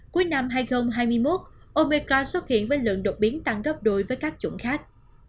cuối năm hai nghìn hai mươi một obecra xuất hiện với lượng đột biến tăng gấp đôi với các chủng khác